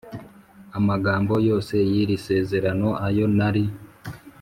amagambo yose y iri sezerano ayo nari